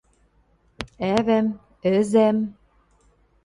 Ӓвӓм, ӹзӓм...